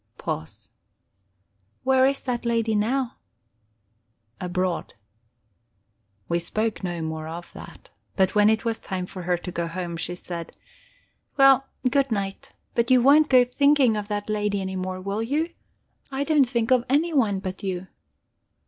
Pause. "Where is that lady now?" "Abroad." We spoke no more of that. But when it was time for her to go home, she said: "Well, good night. But you won't go thinking of that lady any more, will you? I don't think of anyone but you."